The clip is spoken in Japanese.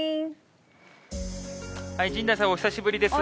陣内さん、お久しぶりです。